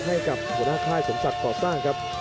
ให้กับหัวหน้าค่ายสมศักดิ์ก่อสร้างครับ